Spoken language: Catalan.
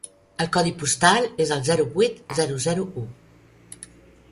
El codi postal és el zero vuit zero zero u.